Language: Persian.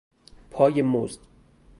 پای مزد